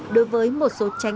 đối với một cơ quan tỉnh lâm đồng